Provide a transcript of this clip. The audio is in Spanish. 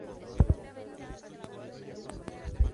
Ahora podrán hacer la paz que debe hacerse.